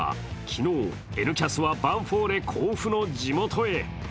昨日、「Ｎキャス」はヴァンフォーレ甲府の地元へ。